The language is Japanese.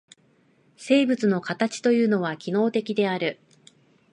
生物の形というのは機能的である。